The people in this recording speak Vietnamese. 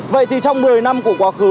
vậy thì trong một mươi năm của quá khứ